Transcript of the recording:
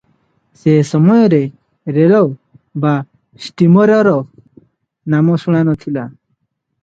ସେ ସମୟରେ ରେଲ ବା ଷ୍ଟିମରର ନାମ ଶୁଣା ନ ଥିଲା ।